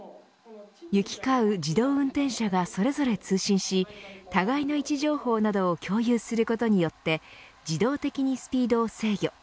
行きかう自動運転車がそれぞれ通信し互いの位置情報などを共有することによって自動的にスピードを制御。